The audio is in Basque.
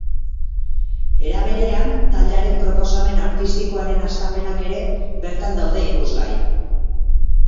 Era berean, taldearen proposamen artistikoaren hastapenak ere bertan daude ikusgai.